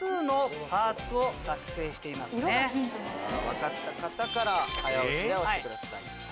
分かった方から早押しで押してください。